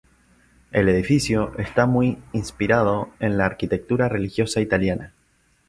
El edificio está muy inspirado en la arquitectura religiosa italiana.